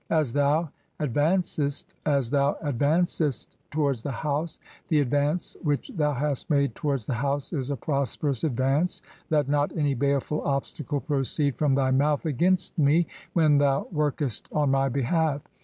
[As thou] advancest, [as thou] 'advancest towards the House (14) the advance which thou hast 'made towards the House is a prosperous advance ; let not any 'baleful obstacle proceed from thy mouth against me when thou 'work est on my behalf.